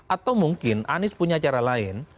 atau mungkin anies punya cara lain